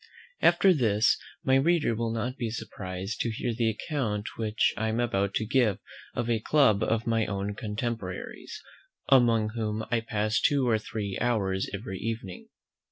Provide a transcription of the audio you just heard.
After this, my reader will not be surprised to hear the account which I am about to give of a club of my own contemporaries, among whom I pass two or three hours every evening.